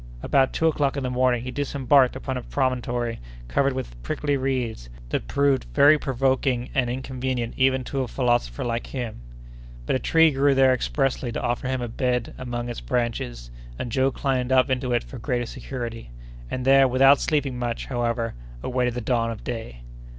About two o'clock in the morning he disembarked upon a promontory covered with prickly reeds, that proved very provoking and inconvenient even to a philosopher like him; but a tree grew there expressly to offer him a bed among its branches, and Joe climbed up into it for greater security, and there, without sleeping much, however, awaited the dawn of day.